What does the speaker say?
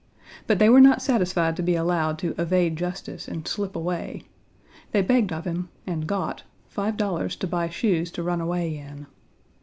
But they were not satisfied to be allowed to evade justice and slip away. They begged of him (and got) five dollars to buy shoes to run away in.